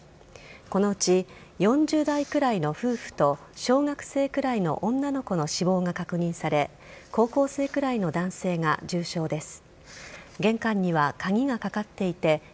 このうち、４０代くらいの夫婦と小学生くらいの女の子の死亡が確認され高校生くらいの男性が重傷です。